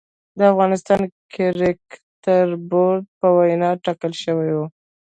د افغانستان کريکټ بورډ په وينا ټاکل شوې وه